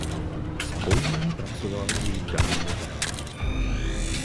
S pojmem pracoval i Daniel Bell.